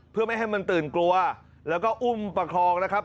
เพื่อไม่ให้มันตื่นกลัวแล้วก็อุ้มประคองนะครับ